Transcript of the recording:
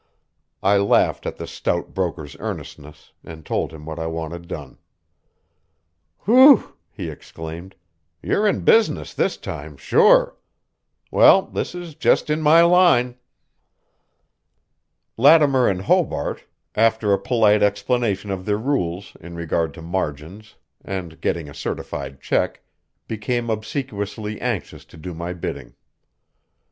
I laughed at the stout broker's earnestness, and told him what I wanted done. "Whew!" he exclaimed, "you're in business this time, sure. Well, this is just in my line." Lattimer and Hobart, after a polite explanation of their rules in regard to margins, and getting a certified check, became obsequiously anxious to do my bidding.